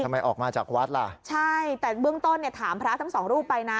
ทำไมออกมาจากวัดล่ะใช่แต่เบื้องต้นเนี่ยถามพระทั้งสองรูปไปนะ